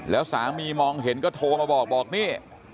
แล้วสามีมองเห็นก็โทรมาบอกบอกนี่